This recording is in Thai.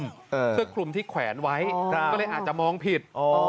เสื้อคลุมที่แขวนไว้ก็เลยอาจจะมองผิด